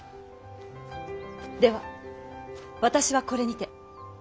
では私はこれにて。